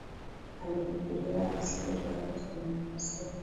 amenukuliwa akisifu kiwango cha demokrasia